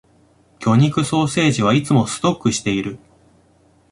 魚肉ソーセージはいつもストックしている